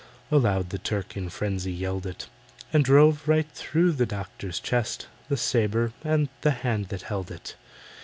Aloud the Turk in frenzy yelled it, And drove right through the doctor's chest The sabre and the hand that held it.